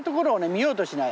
見ようとしない。